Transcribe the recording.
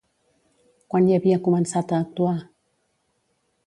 Quan hi havia començat a actuar?